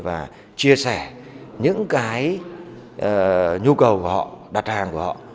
và chia sẻ những cái nhu cầu mà họ đặt hàng của họ